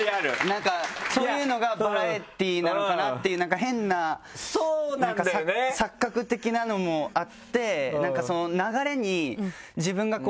なんかそういうのがバラエティーなのかなっていう変な錯覚的なのもあって。